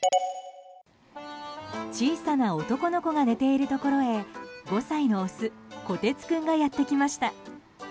小さな男の子が寝ているところへ５歳のオス、こてつ君がやってきました。